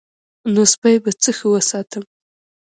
نو سپی به څه ښه وساتم.